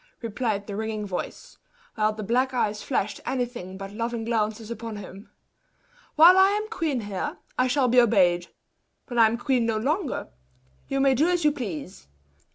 replied the ringing voice; while the black eyes flashed anything but loving glances upon him. "While I am queen here, I shall be obeyed; when I am queen no longer, you may do as you please!